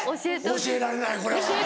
教えられないこれは。